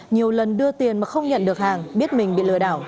nhiều lần đưa tiền mà không nhận được hàng biết mình bị lừa đảo